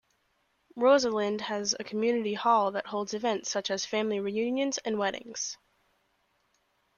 Rosalind has a community hall that holds events such as family reunions and weddings.